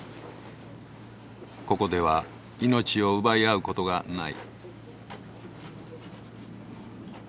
ここでは命を奪い合うことがない。